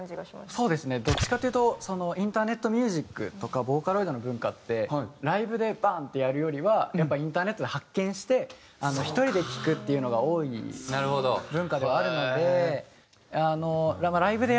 どっちかっていうとインターネットミュージックとかボーカロイドの文化ってライブでバン！ってやるよりはやっぱインターネットで発見して１人で聴くっていうのが多い文化ではあるので。